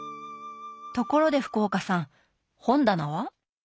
ところで福岡さん本棚は？